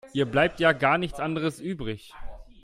Ihr bleibt ja gar nichts anderes übrig.